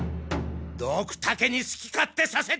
ドクタケにすき勝手させてはならん！